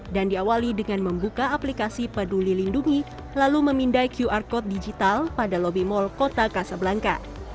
dan diawali dengan membuka aplikasi peduli lindungi lalu memindai qr code digital pada lobby mal kota kasabelangka